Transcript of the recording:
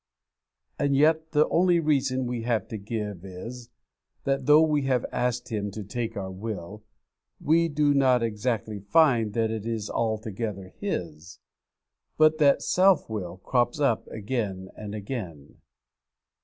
And yet the only reason we have to give is, that though we have asked Him to take our will, we do not exactly find that it is altogether His, but that self will crops up again and again.